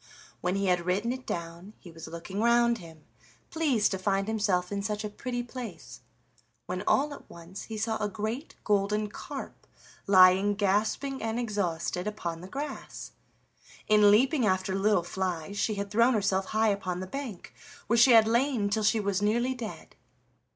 When he had written it down he was looking round him, pleased to find himself in such a pretty place, when all at once he saw a great golden carp lying gasping and exhausted upon the grass. In leaping after little flies she had thrown herself high upon the bank, where she had lain till she was nearly dead.